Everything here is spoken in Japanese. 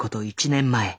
１年前。